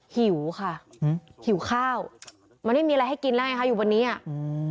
หิวค่ะอืมหิวข้าวมันไม่มีอะไรให้กินแล้วไงคะอยู่บนนี้อ่ะอืม